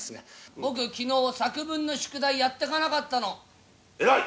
僕、きのう、作文の宿題やってかなかったの。